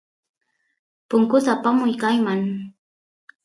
punkut apamuy kayman